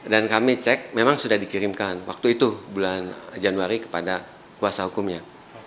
dan kami cek memang sudah dikirimkan waktu itu bulan januari kepada kuasa hukumnya